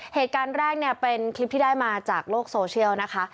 เหตุการณ์แรกเนี่ยเป็นคลิปที่ได้มาจากโลกโซเชียลนะคะ